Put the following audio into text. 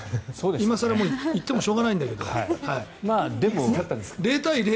今更言ってもしょうがないんだけど。